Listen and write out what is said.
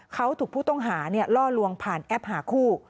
เขาถูกผู้ต้องหาล่อลวงผ่านแอปหาคู่